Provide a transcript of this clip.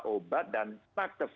obat dan paktus